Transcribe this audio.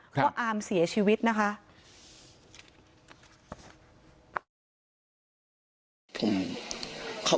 ว่าอามเสียชีวิตนะคะ